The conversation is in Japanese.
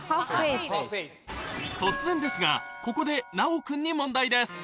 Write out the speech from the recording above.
突然ですがここで奈緒君に問題です